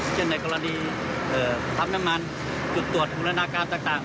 เช่นในกรณีเอ่อทำน้ำมันจุดตรวจบูรณาการต่างต่าง